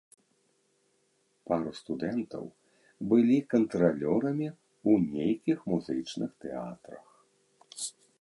Пару студэнтаў былі кантралёрамі ў нейкіх музычных тэатрах.